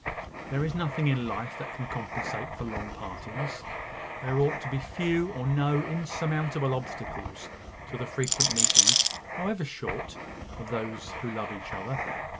There is nothing in life that can compensate for long partings. There ought to be few or no insurmountable obstacles to the frequent meetings, however short, of those who love each other.